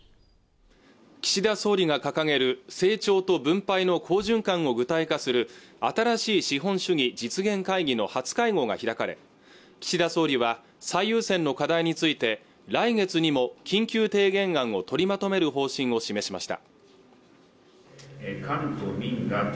岸田総理が掲げる成長と分配の好循環を具体化する新しい資本主義実現会議の初会合が開かれ岸田総理は最優先の課題について来月にも緊急提言案を取りまとめる方針を示しました